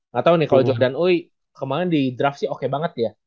gak tau nih kalau jordan oi kemaren di draft sih oke banget ya